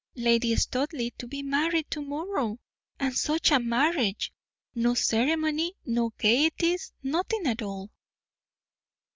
Lady Studleigh to be married to morrow! and such a marriage no ceremony, no gayeties, nothing at all!